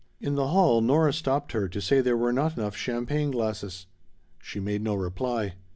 In the hall Nora stopped her to say there were not enough champagne glasses. She made no reply.